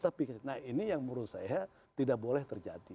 tapi nah ini yang menurut saya tidak boleh terjadi